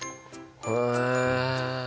へえ。